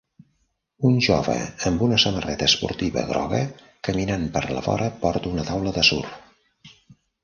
Un jove amb una samarreta esportiva groga caminant per la vora porta una taula de surf